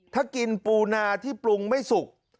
ถ้ากินปูนาที่ปรุงไม่สุก